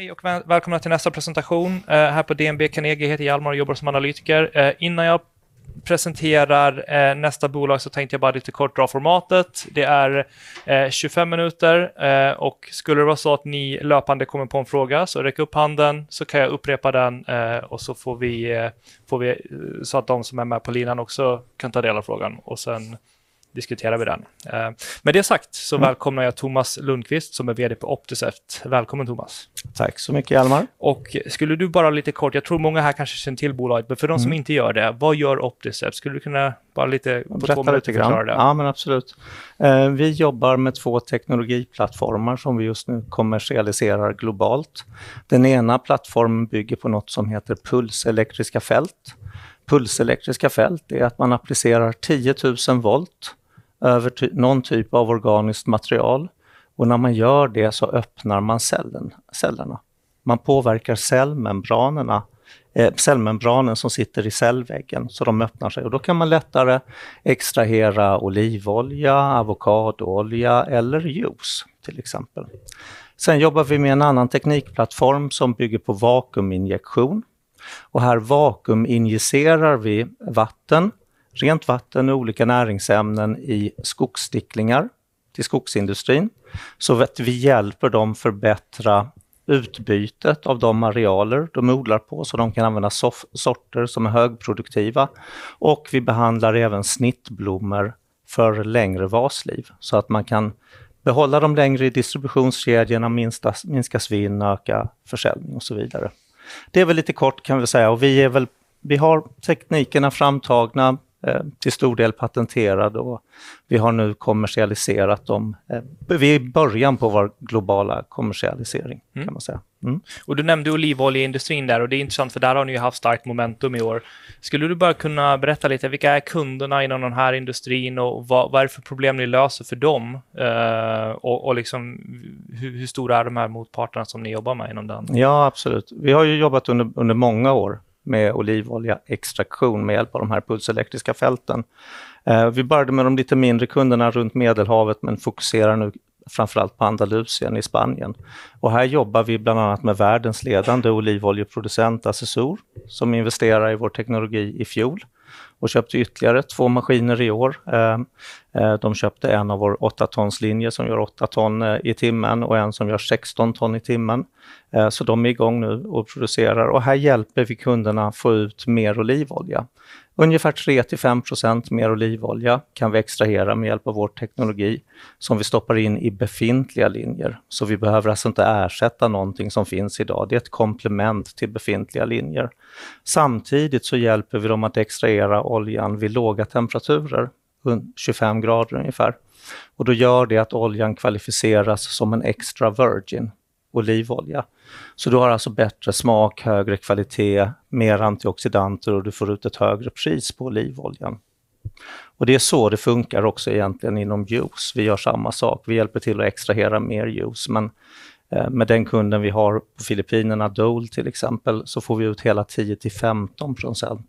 Hej och välkomna till nästa presentation här på DNB Carnegie. Jag heter, jobbar som analytiker. Innan jag presenterar nästa bolag så tänkte jag bara lite kort dra formatet. Det är 25 minuter, och skulle det vara så att ni löpande kommer på en fråga så räck upp handen så kan jag upprepa den, och så får vi så att de som är med på linan också kan ta del av frågan och sen diskuterar vi den. Med det sagt så välkomnar jag Thomas Lundqvist som är VD på OptiCept. Välkommen Thomas! Tack så mycket Almar! Och skulle du bara lite kort, jag tror många här kanske känner till bolaget, men för de som inte gör det, vad gör OptiCept? Skulle du kunna bara lite kort förklara det? Ja, men absolut. Vi jobbar med två teknologiplattformar som vi just nu kommersialiserar globalt. Den ena plattformen bygger på något som heter pulselektriska fält. Pulselektriska fält är att man applicerar 10,000 volt över någon typ av organiskt material, och när man gör det så öppnar man cellerna. Man påverkar cellmembranerna, cellmembranen som sitter i cellväggen så de öppnar sig, och då kan man lättare extrahera olivolja, avokadoolja eller juice till exempel. Sen jobbar vi med en annan teknikplattform som bygger på vakuuminjektion, och här vakuuminjicerar vi vatten, rent vatten och olika näringsämnen i skogssticklingar till skogsindustrin. Så vi hjälper dem förbättra utbytet av de arealer de odlar på så de kan använda sorter som är högproduktiva, och vi behandlar även snittblommor för längre vasliv så att man kan behålla dem längre i distributionskedjan, minska svinn, öka försäljning och så vidare. Det är väl lite kort kan vi säga, och vi är väl, vi har teknikerna framtagna, till stor del patenterade, och vi har nu kommersialiserat dem. Vi är i början på vår globala kommersialisering kan man säga. Och du nämnde olivoljeindustrin där, och det är intressant för där har ni ju haft starkt momentum i år. Skulle du bara kunna berätta lite vilka är kunderna inom den här industrin och vad är det för problem ni löser för dem, och liksom hur stora är de här motparterna som ni jobbar med inom den? Ja, absolut. Vi har ju jobbat under många år med olivoljeextraktion med hjälp av de här pulselektriska fälten. Vi började med de lite mindre kunderna runt Medelhavet, men fokuserar nu framförallt på Andalusien i Spanien. Här jobbar vi bland annat med världens ledande olivoljeproducent Assessur, som investerade i vår teknologi i fjol och köpte ytterligare två maskiner i år. De köpte en av vår åtta tons linje som gör åtta ton i timmen och en som gör 16 ton i timmen. De är igång nu och producerar, och här hjälper vi kunderna att få ut mer olivolja. Ungefär 3% till 5% mer olivolja kan vi extrahera med hjälp av vår teknologi som vi stoppar in i befintliga linjer, så vi behöver alltså inte ersätta någonting som finns idag. Det är ett komplement till befintliga linjer. Samtidigt så hjälper vi dem att extrahera oljan vid låga temperaturer, 25 grader ungefär, och då gör det att oljan kvalificeras som en extra virgin olivolja. Så du har alltså bättre smak, högre kvalitet, mer antioxidanter, och du får ut ett högre pris på olivoljan. Det är så det funkar också egentligen inom juice. Vi gör samma sak. Vi hjälper till att extrahera mer juice, men med den kunden vi har på Filippinerna, Dole till exempel, så får vi ut hela 10 till 15%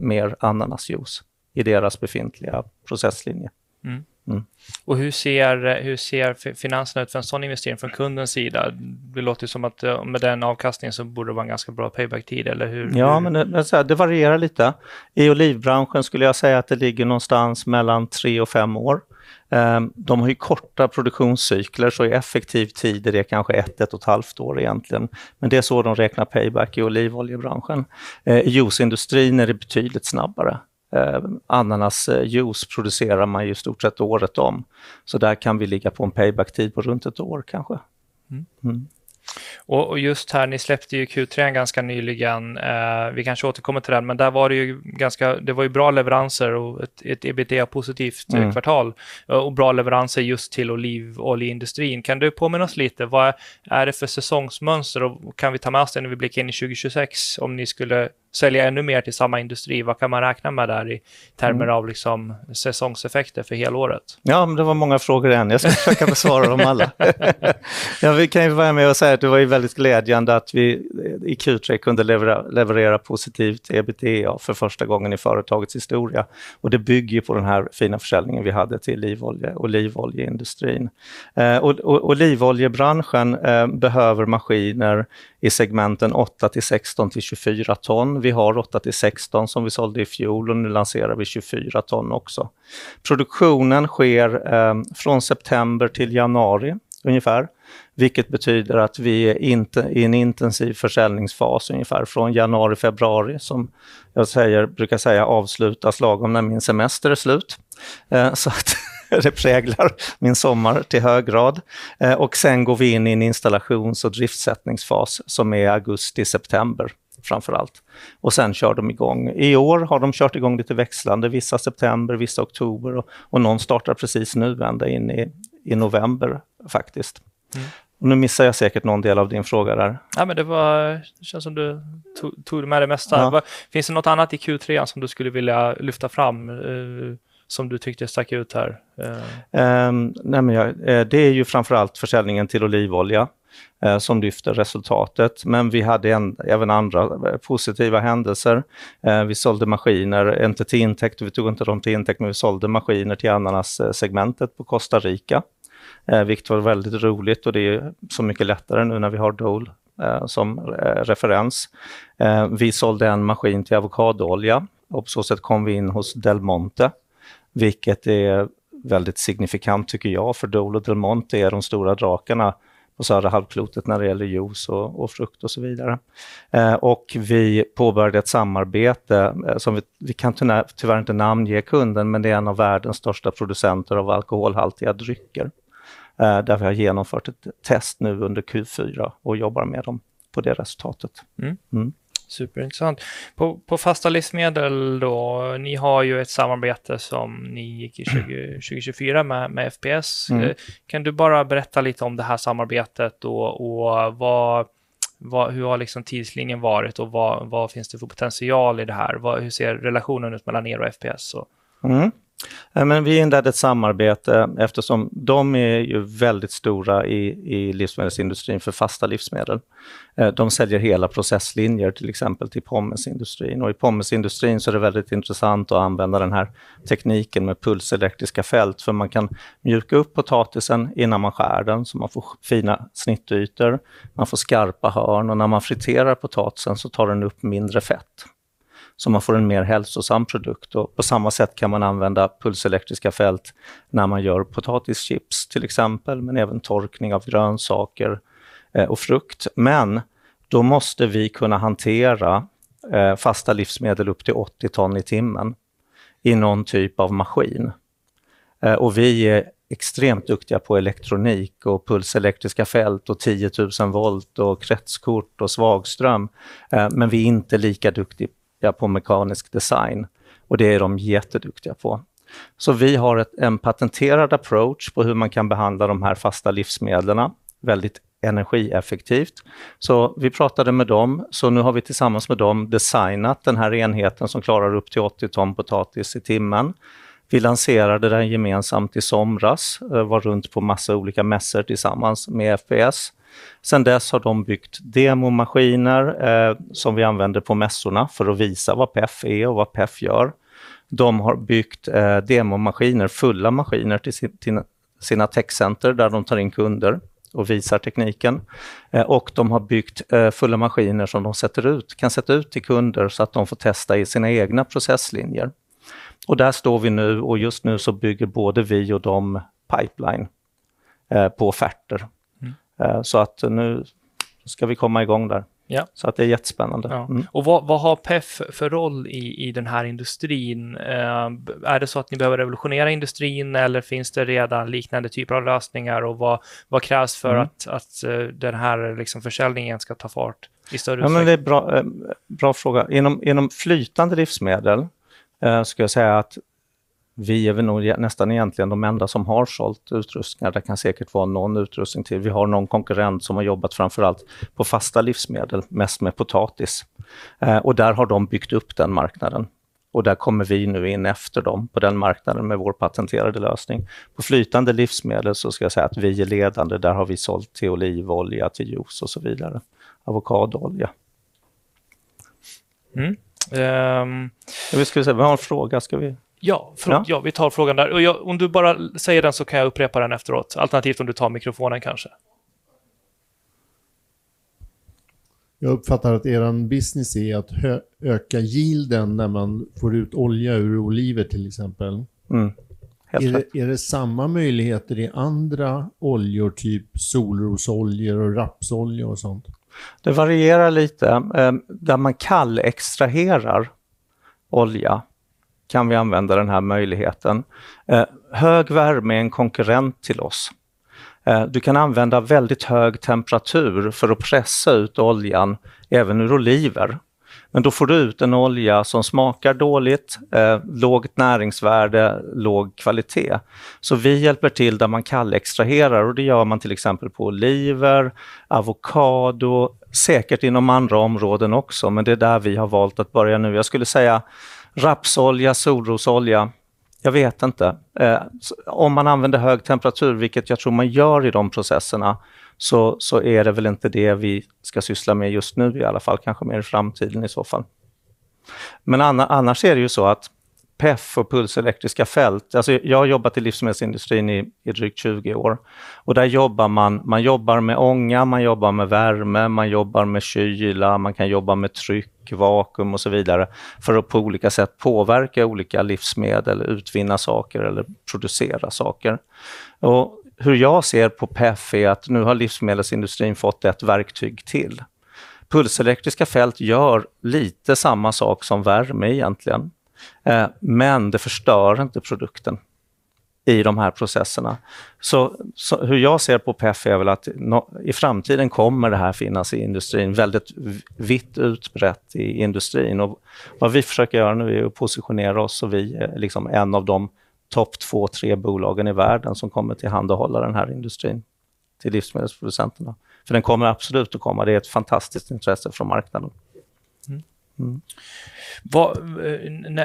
mer ananasjuice i deras befintliga processlinje. Och hur ser finanserna ut för en sådan investering från kundens sida? Det låter ju som att med den avkastningen så borde det vara en ganska bra payback-tid, eller hur? Ja, men så här, det varierar lite. I olivbranschen skulle jag säga att det ligger någonstans mellan tre och fem år. De har ju korta produktionscykler, så i effektiv tid är det kanske ett, ett och ett halvt år egentligen, men det är så de räknar payback i olivoljebranschen. I juiceindustrin är det betydligt snabbare. Ananasjuice producerar man ju i stort sett året om, så där kan vi ligga på en payback tid på runt ett år kanske. Och just här, ni släppte ju Q3 ganska nyligen. Vi kanske återkommer till den, men där var det ju ganska, det var ju bra leveranser och ett EBITDA-positivt kvartal och bra leveranser just till olivoljeindustrin. Kan du påminna oss lite, vad är det för säsongsmönster och kan vi ta med oss det när vi blickar in i 2026? Om ni skulle sälja ännu mer till samma industri, vad kan man räkna med där i termer av säsongseffekter för hela året? Ja, men det var många frågor än. Jag ska försöka besvara dem alla. Ja, vi kan ju börja med att säga att det var ju väldigt glädjande att vi i Q3 kunde leverera positivt EBITDA för första gången i företagets historia, och det bygger ju på den här fina försäljningen vi hade till olivoljeindustrin och olivoljebranschen behöver maskiner i segmenten 8 till 16 till 24 ton. Vi har 8 till 16 som vi sålde i fjol, och nu lanserar vi 24 ton också. Produktionen sker från september till januari ungefär, vilket betyder att vi är inte i en intensiv försäljningsfas ungefär från januari-februari, som jag säger, brukar säga, avslutas lagom när min semester är slut så att det präglar min sommar till hög grad. Sen går vi in i en installations- och driftsättningsfas som är augusti-september framförallt, och sen kör de igång. I år har de kört igång lite växlande, vissa september, vissa oktober, och någon startar precis nu ända in i november faktiskt. Nu missar jag säkert någon del av din fråga där. Ja, men det var, det känns som du tog med det mesta. Finns det något annat i Q3 som du skulle vilja lyfta fram som du tyckte stack ut här? Nej, men jag det är ju framförallt försäljningen till olivolja som lyfter resultatet, men vi hade även andra positiva händelser. Vi sålde maskiner inte till intäkt, vi tog inte dem till intäkt, men vi sålde maskiner till ananas-segmentet på Costa Rica, vilket var väldigt roligt, och det är ju så mycket lättare nu när vi har Dole som referens. Vi sålde en maskin till avokadoolja, och på så sätt kom vi in hos Del Monte, vilket är väldigt signifikant tycker jag, för Dole och Del Monte är de stora drakarna på södra halvklotet när det gäller juice och frukt och så vidare. Vi påbörjade ett samarbete som vi tyvärr inte kan namnge kunden, men det är en av världens största producenter av alkoholhaltiga drycker, där vi har genomfört ett test nu under Q4 och jobbar med dem på det resultatet. Superintressant. På fasta livsmedel då, ni har ju ett samarbete som ni gick in i 2024 med FPS. Kan du bara berätta lite om det här samarbetet och vad hur har liksom tidslinjen varit och vad finns det för potential i det här? Hur ser relationen ut mellan er och FPS? Nej, men vi är ju inledd ett samarbete eftersom de är ju väldigt stora i livsmedelsindustrin för fasta livsmedel. De säljer hela processlinjer till exempel till pommesindustrin, och i pommesindustrin så är det väldigt intressant att använda den här tekniken med pulselektriska fält, för man kan mjuka upp potatisen innan man skär den, så man får fina snittytor, man får skarpa hörn, och när man friterar potatisen så tar den upp mindre fett, så man får en mer hälsosam produkt. På samma sätt kan man använda pulselektriska fält när man gör potatischips till exempel, men även torkning av grönsaker och frukt. Men då måste vi kunna hantera fasta livsmedel upp till 80 ton i timmen i någon typ av maskin. Och vi är extremt duktiga på elektronik och pulselektriska fält och 10 000 volt och kretskort och svagström, men vi är inte lika duktiga på mekanisk design, och det är de jätteduktiga på. Vi har en patenterad approach på hur man kan behandla de här fasta livsmedlen väldigt energieffektivt. Vi pratade med dem, så nu har vi tillsammans med dem designat den här enheten som klarar upp till 80 ton potatis i timmen. Vi lanserade den gemensamt i somras, var runt på massa olika mässor tillsammans med FPS. Sen dess har de byggt demomaskiner som vi använder på mässorna för att visa vad PEF är och vad PEF gör. De har byggt demomaskiner, fulla maskiner till sina techcenter där de tar in kunder och visar tekniken, och de har byggt fulla maskiner som de sätter ut, kan sätta ut till kunder så att de får testa i sina egna processlinjer. Och där står vi nu, och just nu så bygger både vi och de pipeline på offerter så att nu ska vi komma igång där. Ja, så att det är jättespännande. Och vad har PEF för roll i den här industrin? Är det så att ni behöver revolutionera industrin eller finns det redan liknande typer av lösningar och vad krävs för att den här försäljningen ska ta fart i större utsträckning? Ja, men det är en bra fråga. Inom flytande livsmedel ska jag säga att vi är väl nog nästan egentligen de enda som har sålt utrustningar. Det kan säkert vara någon utrustning till. Vi har någon konkurrent som har jobbat framförallt på fasta livsmedel, mest med potatis, och där har de byggt upp den marknaden, och där kommer vi nu in efter dem på den marknaden med vår patenterade lösning. På flytande livsmedel så ska jag säga att vi är ledande. Där har vi sålt till olivolja, till juice och så vidare, avokadoolja. Ehm, ja, vi ska vi se, vi har en fråga, ska vi? Ja, ja, vi tar frågan där, och jag, om du bara säger den så kan jag upprepa den efteråt, alternativt om du tar mikrofonen kanske. Jag uppfattar att business är att öka yielden när man får ut olja ur oliver till exempel. Är det samma möjligheter i andra oljor, typ solrosoljer och rapsoljer och sånt? Det varierar lite. Där man kallextraherar olja kan vi använda den här möjligheten. Hög värme är en konkurrent till oss. Du kan använda väldigt hög temperatur för att pressa ut oljan även ur oliver, men då får du ut en olja som smakar dåligt, lågt näringsvärde, låg kvalitet. Så vi hjälper till där man kallextraherar, och det gör man till exempel på oliver, avokado, säkert inom andra områden också, men det är där vi har valt att börja nu. Jag skulle säga rapsolja, solrosolja, jag vet inte. Om man använder hög temperatur, vilket jag tror man gör i de processerna, så är det väl inte det vi ska syssla med just nu, i alla fall kanske mer i framtiden i så fall. Men annars är det ju så att PEF och pulselektriska fält, alltså jag har jobbat i livsmedelsindustrin i drygt 20 år, och där jobbar man, man jobbar med ånga, man jobbar med värme, man jobbar med kyla, man kan jobba med tryck, vakuum och så vidare för att på olika sätt påverka olika livsmedel, utvinna saker eller producera saker. Hur jag ser på PEF är att nu har livsmedelsindustrin fått ett verktyg till. Pulselektriska fält gör lite samma sak som värme egentligen, men det förstör inte produkten i de här processerna. Så hur jag ser på PEF är väl att i framtiden kommer det här finnas i industrin, väldigt vitt utbrett i industrin, och vad vi försöker göra nu är att positionera oss, och vi är liksom en av de topp två, tre bolagen i världen som kommer tillhandahålla den här industrin till livsmedelsproducenterna, för den kommer absolut att komma. Det är ett fantastiskt intresse från marknaden. Vad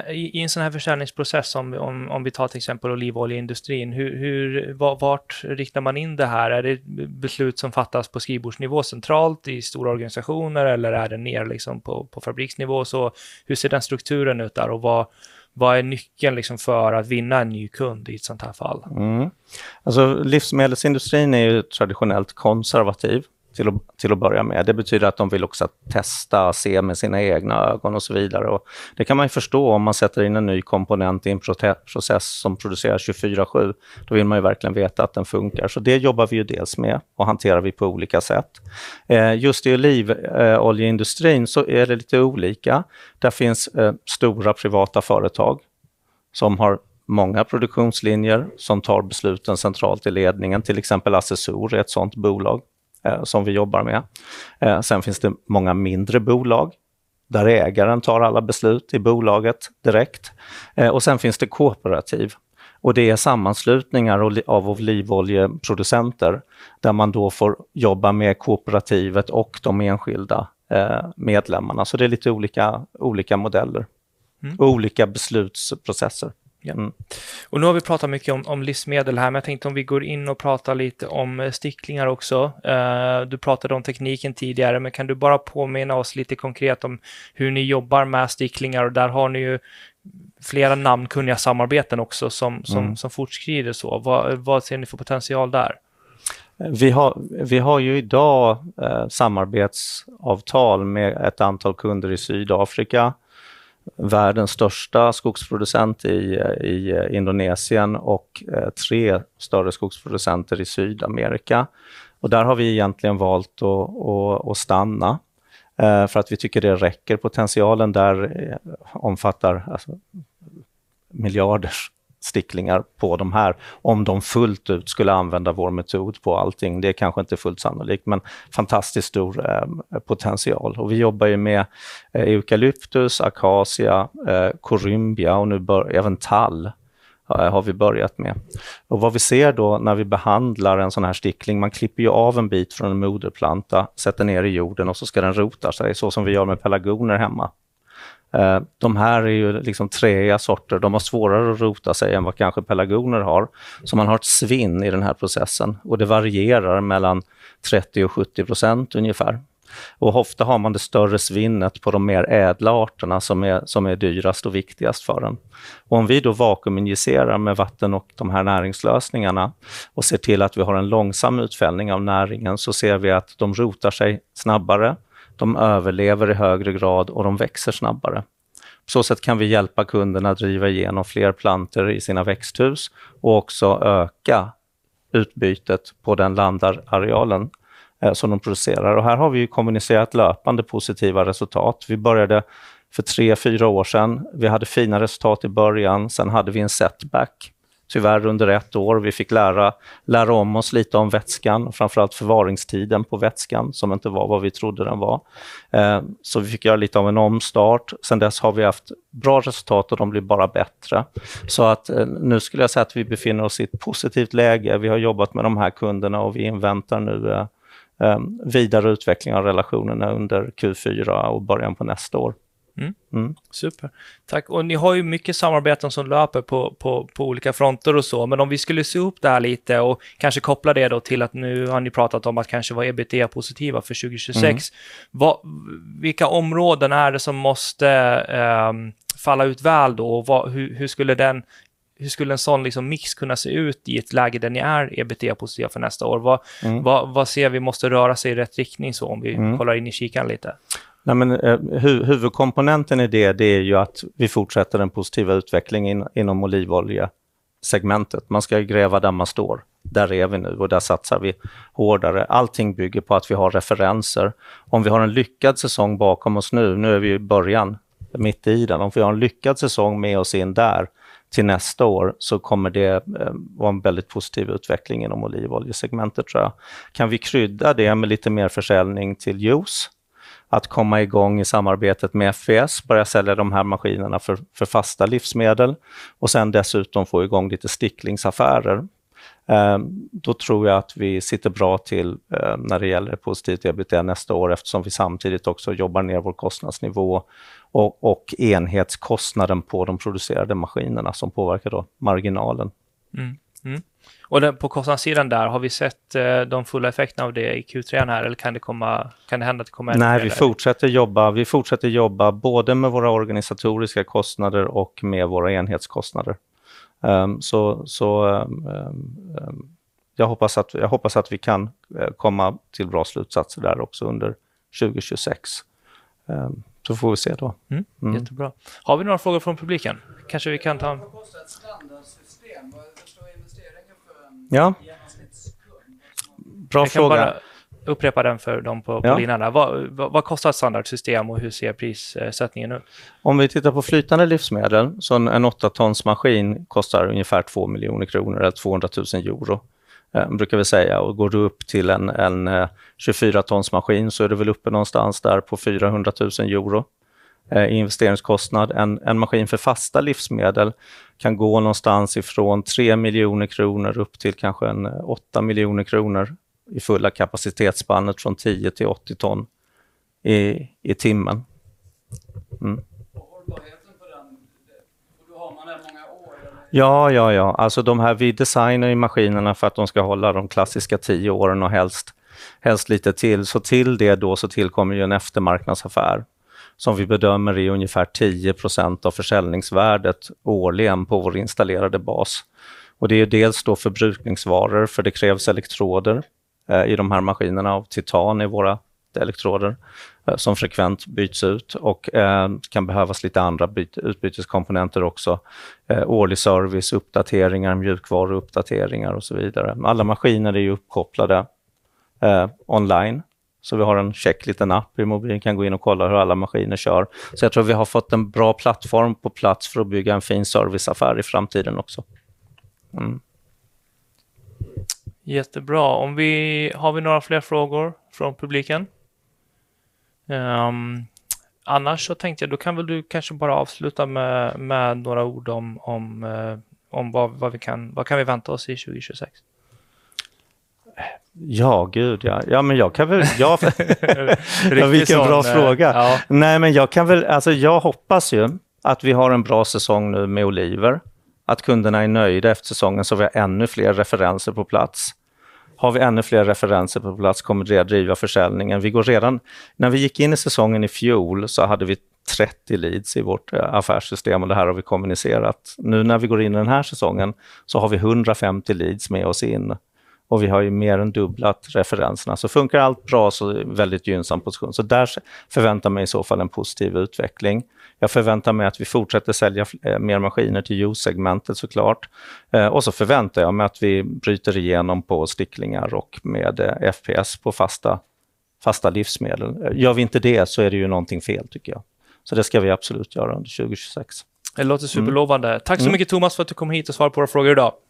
i en sådan här försäljningsprocess, om vi tar till exempel olivoljeindustrin, hur riktar man in det här? Är det beslut som fattas på skrivbordsnivå centralt i stora organisationer, eller är det ner på fabriksnivå? Så hur ser den strukturen ut där, och vad är nyckeln för att vinna en ny kund i ett sådant här fall? Alltså livsmedelsindustrin är ju traditionellt konservativ till att börja med. Det betyder att de vill också testa och se med sina egna ögon och så vidare, och det kan man ju förstå om man sätter in en ny komponent i en process som produceras 24/7. Då vill man ju verkligen veta att den fungerar, så det jobbar vi ju dels med och hanterar vi på olika sätt. Just i olivoljeindustrin så är det lite olika. Där finns stora privata företag som har många produktionslinjer som tar besluten centralt i ledningen, till exempel Assessor är ett sådant bolag som vi jobbar med. Sen finns det många mindre bolag där ägaren tar alla beslut i bolaget direkt, och sen finns det kooperativ, och det är sammanslutningar av olivoljeproducenter där man då får jobba med kooperativet och de enskilda medlemmarna. Så det är lite olika modeller och olika beslutsprocesser. Och nu har vi pratat mycket om livsmedel här, men jag tänkte om vi går in och pratar lite om sticklingar också. Du pratade om tekniken tidigare, men kan du bara påminna oss lite konkret om hur ni jobbar med sticklingar? Och där har ni ju flera namnkunniga samarbeten också som fortskrider, så vad ser ni för potential där? Vi har ju idag samarbetsavtal med ett antal kunder i Sydafrika, världens största skogsproducent i Indonesien och tre större skogsproducenter i Sydamerika, och där har vi egentligen valt att stanna för att vi tycker det räcker. Potentialen där omfattar alltså miljarders sticklingar på de här. Om de fullt ut skulle använda vår metod på allting, det är kanske inte fullt sannolikt, men fantastiskt stor potential. Vi jobbar ju med eukalyptus, akasia, kolumbia, och nu börjar även tall har vi börjat med. Vad vi ser då när vi behandlar en sådan här stickling, man klipper ju av en bit från en moderplanta, sätter ner i jorden, och så ska den rota sig, så som vi gör med pelargoner hemma. De här är ju liksom treiga sorter, de har svårare att rota sig än vad kanske pelargoner har, så man har ett svinn i den här processen, och det varierar mellan 30 och 70% ungefär. Ofta har man det större svinnet på de mer ädla arterna som är dyrast och viktigast för den. Om vi då vakuuminjicerar med vatten och de här näringslösningarna och ser till att vi har en långsam utfällning av näringen, så ser vi att de rotar sig snabbare, de överlever i högre grad och de växer snabbare. På så sätt kan vi hjälpa kunderna att driva igenom fler plantor i sina växthus och också öka utbytet på den landarealen som de producerar. Här har vi ju kommunicerat löpande positiva resultat. Vi började för tre, fyra år sedan. Vi hade fina resultat i början, sen hade vi en setback, tyvärr under ett år. Vi fick lära om oss lite om vätskan, framförallt förvaringstiden på vätskan som inte var vad vi trodde den var, så vi fick göra lite av en omstart. Sen dess har vi haft bra resultat och de blir bara bättre. Nu skulle jag säga att vi befinner oss i ett positivt läge. Vi har jobbat med de här kunderna och vi inväntar nu vidare utveckling av relationerna under Q4 och början på nästa år. Super, tack. Och ni har ju mycket samarbeten som löper på på olika fronter och så, men om vi skulle se upp det här lite och kanske koppla det då till att nu har ni pratat om att kanske vara EBITDA-positiva för 2026. Vilka områden är det som måste falla ut väl då, och hur skulle den hur skulle en sådan mix kunna se ut i ett läge där ni är EBITDA-positiva för nästa år? Vad ser vi måste röra sig i rätt riktning så om vi kollar in i kikaren lite? Nej, men huvudkomponenten i det är ju att vi fortsätter den positiva utvecklingen inom olivoljesegmentet. Man ska gräva där man står, där är vi nu och där satsar vi hårdare. Allting bygger på att vi har referenser. Om vi har en lyckad säsong bakom oss nu, nu är vi i början, mitt i den. Om vi har en lyckad säsong med oss in där till nästa år så kommer det vara en väldigt positiv utveckling inom olivoljesegmentet, tror jag. Kan vi krydda det med lite mer försäljning till juice, att komma igång i samarbetet med FPS, börja sälja de här maskinerna för fasta livsmedel och sen dessutom få igång lite sticklingsaffärer, då tror jag att vi sitter bra till när det gäller positivt EBITDA nästa år, eftersom vi samtidigt också jobbar ner vår kostnadsnivå och enhetskostnaden på de producerade maskinerna som påverkar då marginalen. Och på kostnadssidan där, har vi sett de fulla effekterna av det i Q3 här, eller kan det komma, kan det hända att det kommer ännu mer? Nej, vi fortsätter jobba, vi fortsätter jobba både med våra organisatoriska kostnader och med våra enhetskostnader. Så jag hoppas att vi kan komma till bra slutsatser där också under 2026. Så får vi se då. Jättebra. Har vi några frågor från publiken? Kanske vi kan ta? Vad kostar ett standardsystem? Vad står investeringen för i genomsnittskund? Bra fråga. Upprepa den för de på linjen där. Vad kostar ett standardsystem och hur ser prissättningen ut? Om vi tittar på flytande livsmedel så en åttatons maskin kostar ungefär 2 miljoner kronor eller €200,000, brukar vi säga. Och går du upp till en 24 tons maskin så är du väl uppe någonstans där på €400,000 i investeringskostnad. En maskin för fasta livsmedel kan gå någonstans ifrån 3 miljoner kronor upp till kanske 8 miljoner kronor i fulla kapacitetsspannet från 10 till 80 ton i timmen. Vad har du på den? Och då har man den många år eller? Ja, ja, ja. Alltså de här, vi designar ju maskinerna för att de ska hålla de klassiska 10 åren och helst lite till. Så till det då så tillkommer ju en eftermarknadsaffär som vi bedömer är ungefär 10% av försäljningsvärdet årligen på vår installerade bas. Det är ju dels då förbrukningsvaror, för det krävs elektroder i de här maskinerna av titan i våra. Elektroder som frekvent byts ut och kan behövas lite andra utbyteskomponenter också. Årlig service, uppdateringar, mjukvaruuppdateringar och så vidare. Alla maskiner är ju uppkopplade online, så vi har en checkliten app i mobilen kan gå in och kolla hur alla maskiner kör. Så jag tror vi har fått en bra plattform på plats för att bygga en fin serviceaffär i framtiden också. Jättebra. Om vi har några fler frågor från publiken? Annars så tänkte jag, då kan väl du kanske bara avsluta med några ord om vad vi kan vänta oss i 2026? Ja, gud, ja, men jag kan väl, jag, vilken bra fråga. Nej, men jag kan väl, alltså jag hoppas ju att vi har en bra säsong nu med Oliver, att kunderna är nöjda efter säsongen så har vi ännu fler referenser på plats. Har vi ännu fler referenser på plats kommer det att driva försäljningen. Vi går redan, när vi gick in i säsongen i fjol så hade vi 30 leads i vårt affärssystem och det här har vi kommunicerat. Nu när vi går in i den här säsongen så har vi 150 leads med oss in och vi har ju mer än dubblat referenserna. Så funkar allt bra så är det väldigt gynnsam position. Så där förväntar jag mig i så fall en positiv utveckling. Jag förväntar mig att vi fortsätter sälja mer maskiner till juice-segmentet såklart. Och så förväntar jag mig att vi bryter igenom på sticklingar och med FPS på fasta livsmedel. Gör vi inte det så är det ju någonting fel, tycker jag. Så det ska vi absolut göra under 2026. Det låter superlovande. Tack så mycket Thomas för att du kom hit och svarade på våra frågor idag.